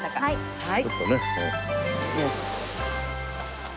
はい。